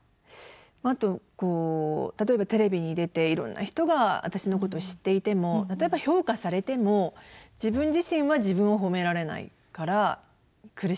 あと例えばテレビに出ていろんな人が私のことを知っていても例えば評価されても自分自身は自分を褒められないから苦しい。